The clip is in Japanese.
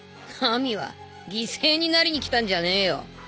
ナミは犠牲になりに来たんじゃねえよ